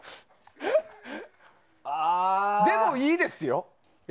でも、いいですよ。